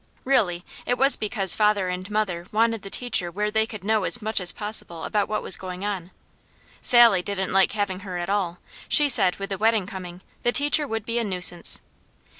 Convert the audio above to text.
Really it was because father and mother wanted the teacher where they could know as much as possible about what was going on. Sally didn't like having her at all; she said with the wedding coming, the teacher would be a nuisance.